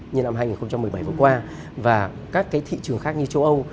như năm hai nghìn một mươi bảy vừa qua và các thị trường khác như châu âu